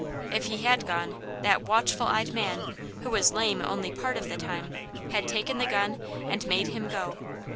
If he had gone, that watchful eyed man, who was lame only part of the time, had taken the gun and made him go.